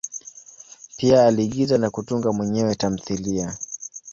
Pia aliigiza na kutunga mwenyewe tamthilia.